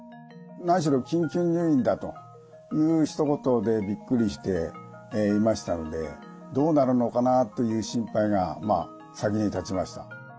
何しろ緊急入院だというひと言でびっくりしていましたのでどうなるのかなという心配が先に立ちました。